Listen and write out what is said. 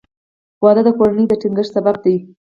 • واده د کورنۍ د ټینګښت سبب دی.